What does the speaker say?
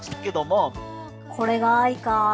これが愛か。